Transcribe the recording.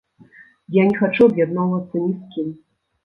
Я не хачу аб'ядноўвацца ні з кім.